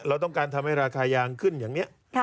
เราต้องการทำให้ราคายางขึ้นอย่างนี้